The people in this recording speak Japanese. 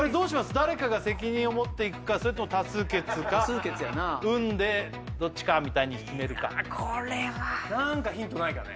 誰かが責任を持っていくかそれとも多数決か運でどっちかみたいに決めるかこれは・何かヒントないかね